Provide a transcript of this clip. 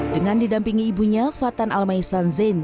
dengan didampingi ibunya fatan almaysan zain